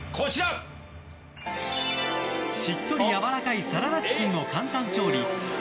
しっとりやわらかいサラダチキンを簡単調理。